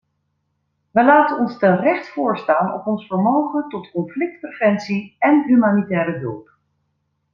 We laten ons terecht voorstaan op ons vermogen tot conflictpreventie en humanitaire hulp.